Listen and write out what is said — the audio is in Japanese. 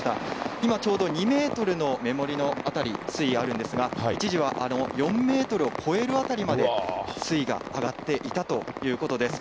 今、ちょうど２メートルの目盛りの辺り、水位あるんですが、一時は４メートルを超える辺りまで、水位が上がっていたということです。